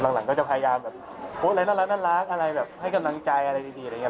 หลังก็จะพยายามแบบโพสต์อะไรน่ารักอะไรแบบให้กำลังใจอะไรดีอะไรอย่างนี้